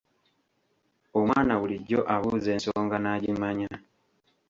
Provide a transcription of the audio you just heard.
Omwana bulijjo abuuza ensonga n'agimanya.